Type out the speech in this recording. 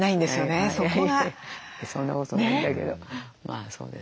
そんなことないんだけどまあそうですね。